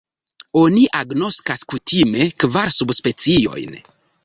Oni agnoskas kutime kvar subspeciojn.